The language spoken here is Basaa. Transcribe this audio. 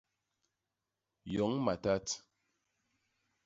Yoñ matat.